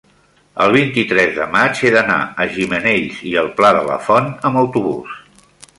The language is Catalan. el vint-i-tres de maig he d'anar a Gimenells i el Pla de la Font amb autobús.